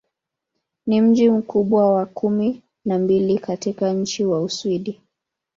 Ni mji mkubwa wa kumi na mbili katika nchi wa Uswidi.